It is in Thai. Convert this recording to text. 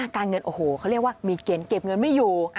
การเงินโอ้โหเขาเรียกว่ามีเกณฑ์เก็บเงินไม่อยู่